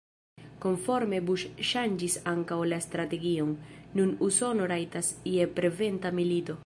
Konforme Bush ŝanĝis ankaŭ la strategion: nun Usono rajtas je preventa milito.